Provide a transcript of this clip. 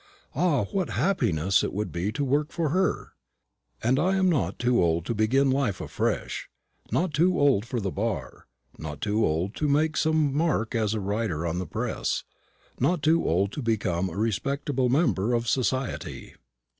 Ah, what happiness it would be to work for her! And I am not too old to begin life afresh; not too old for the bar; not too old to make some mark as a writer on the press; not too old to become a respectable member of society.